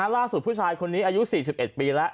ผู้ชายคนนี้อายุ๔๑ปีแล้ว